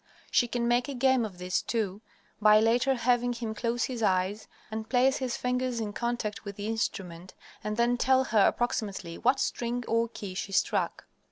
She can make a game of this, too, by later having him close his eyes and place his fingers in contact with the instrument and then tell her approximately what string or key she struck.